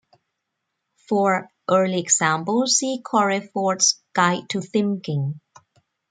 For early examples, see Corey Ford's "Guide to Thimking".